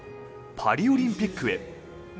パリオリンピックへ。